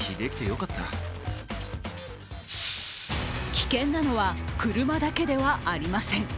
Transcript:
危険なのは車だけではありません。